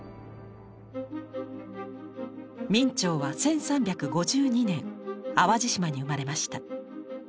明兆は１３５２年淡路島に生まれました。